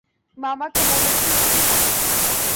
বাবাকে বলেছিস কি?